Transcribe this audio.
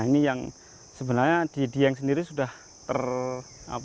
nah ini yang sebenarnya di dieng sendiri sudah terkotak kotak